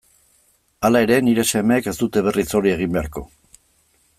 Hala ere, nire semeek ez dute berriz hori egin beharko.